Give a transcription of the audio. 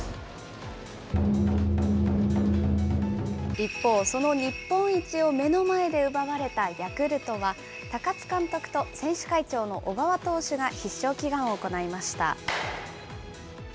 一方、その日本一を目の前で奪われたヤクルトは、高津監督と選手会長の小川投手が必勝祈願を行いました。